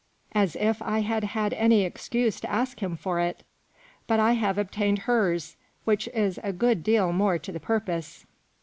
As if I had had any excuse to ask him for it ! But I have obtained hers, which is a good deal more to the purpose.